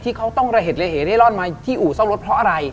ที่เขาต้องเหตุละเหตุได้รอดมาที่อู่ซ่อมรถเพราะอะไร